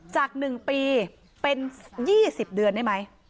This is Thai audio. จาก๑ปีเป็น๒๐เดือนได้ไหม